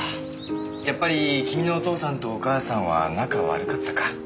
やっぱり君のお父さんとお母さんは仲悪かったか。